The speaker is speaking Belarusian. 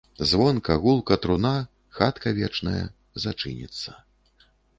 Звонка, гулка труна, хатка вечная, зачыніцца.